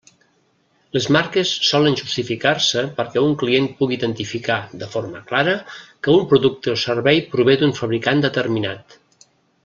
Les marques solen justificar-se perquè un client pugui identificar, de forma clara, que un producte o servei prové d'un fabricant determinat.